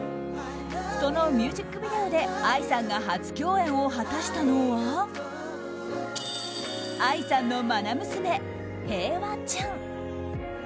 そのミュージックビデオでＡＩさんが初共演を果たしたのはＡＩさんの愛娘・平和ちゃん。